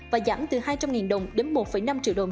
và giảm từ hai trăm linh đồng đến một năm triệu đồng